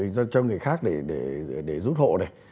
không để mà giao thẻ cho người khác để rút hộ này